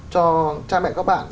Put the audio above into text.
cho cha mẹ các bạn